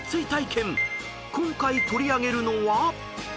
［今回取り上げるのは］